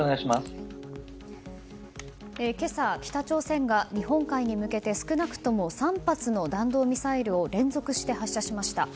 今朝、北朝鮮が日本海に向けて少なくとも３発の弾道ミサイルを連続して発射しました。